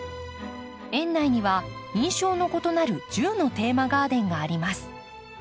園内には印象の異なる１０のテーマガーデンがあります。